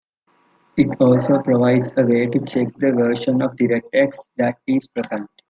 It also provides a way to check the version of DirectX that is present.